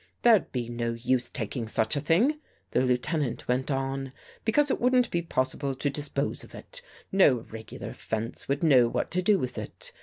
" There'd be no use taking such a thing," the Lieutenant went on, " because it wouldn't be pos sible to dispose of it. No regular fence would know what to do with it.